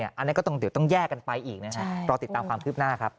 อันนี้ก็ต้องแยกกันไปอีกนะฮะรอติดตามความคืบหน้าครับ